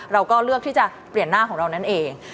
เราก็เลือกที่จะเปลี่ยนหน้าของเรานั่นเอง